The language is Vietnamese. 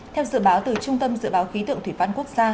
theo dự báo từ trung tâm dự báo khí tượng thủy văn quốc gia